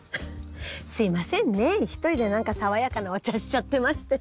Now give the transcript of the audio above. すいませんね１人で何かさわやかなお茶しちゃってまして。